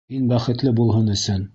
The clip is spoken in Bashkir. Һин бәхетле булһын өсөн...